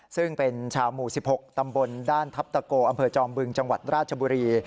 ซึ่งเป็นชาวหมู่๑๖ตำบลด้านทัพตะโกอำเภอจอมบึงจังหวัดราชบุรี